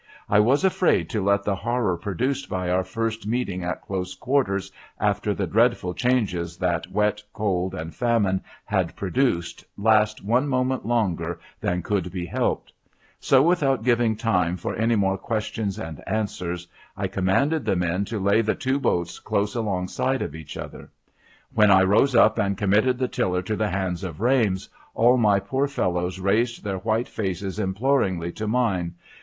I was afraid to let the horror produced by our first meeting at close quarters after the dreadful changes that wet, cold, and famine had produced, last one moment longer than could be helped; so, without giving time for any more questions and answers, I commanded the men to lay the two boats close alongside of each other, ^^"hen I rose up and committed the tiller to the hands of Rames, all my poor fellows raised their white faces imploringly to mine.